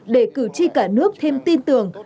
để cử tri cả nước thêm tin tưởng